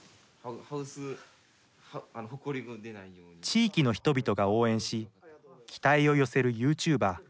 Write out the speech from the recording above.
地域の人々が応援し期待を寄せるユーチューバー。